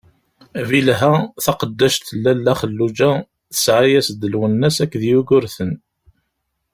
Bilha, taqeddact n Lalla Xelluǧa tesɛa-as-d: Lwennas akked Yugurten.